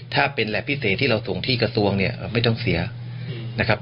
ถ้าเป็นแหลปพิเศษที่เราส่งที่กระทรวงเนี่ยไม่ต้องเสียนะครับ